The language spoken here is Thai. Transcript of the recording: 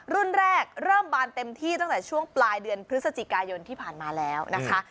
รุ่นแรกเริ่มบานเต็มที่ตั้งแต่ช่วงปลายเดือนพฤศจิกายนที่ผ่านมาแล้วนะคะ